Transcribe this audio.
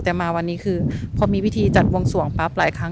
แต่มาวันนี้คือพอมีวิธีจัดวงสวงปั๊บหลายครั้ง